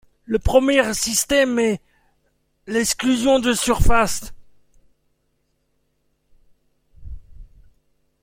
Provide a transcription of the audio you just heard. Le premier système est l'exclusion de surface.